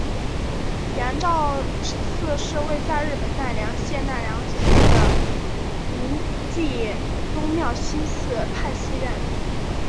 圆照寺是位在日本奈良县奈良市的临济宗妙心寺派寺院。